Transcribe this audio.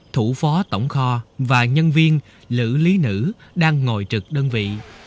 thủ phó tổng kho và nhân viên lữ lý nữ đang ngồi trực đơn vị